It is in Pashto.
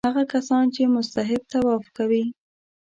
هغه کسان چې مستحب طواف کوي.